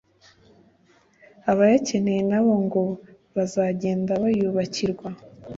abayakeneye nabo ngo bazagenda bayubakirwa